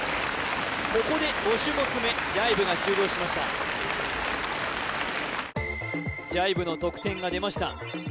ここで５種目目ジャイブが終了しましたジャイブの得点が出ました